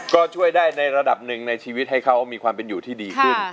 ก็ช่วยได้ในระดับหนึ่งในชีวิตให้เขามีความเป็นอยู่ที่ดีขึ้น